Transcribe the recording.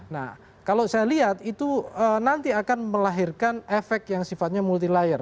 nah kalau saya lihat itu nanti akan melahirkan efek yang sifatnya multi layer